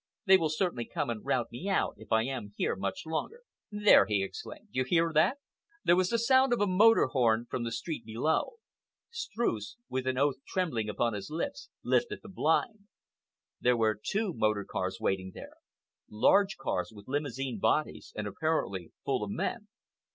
They will certainly come and rout me out if I am here much longer. There!" he exclaimed, "you hear that?" There was the sound of a motor horn from the street below. Streuss, with an oath trembling upon his lips, lifted the blind. There were two motor cars waiting there—large cars with Limousine bodies, and apparently full of men.